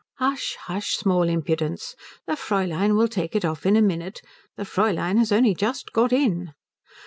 "Hush, hush, small impudence. The Fräulein will take it off in a minute. The Fräulein has only just got in."